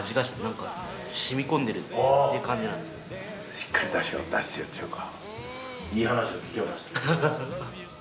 しっかりだしを出してっていうか。